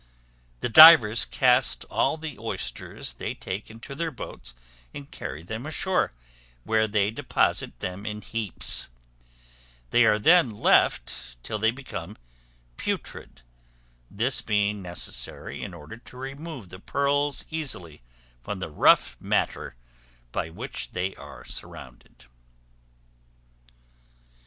The divers cast all the oysters they take into their boats, and carry them ashore, where they deposit them in heaps; they are then left till they become putrid, this being necessary in order to remove the pearls easily from the rough matter by which they are surrounded.